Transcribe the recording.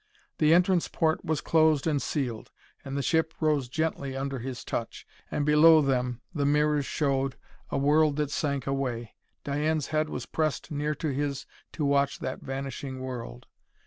The entrance port was closed and sealed; and the ship rose gently under his touch. And, below them, the mirrors showed a world that sank away. Diane's head was pressed near to his to watch that vanishing world.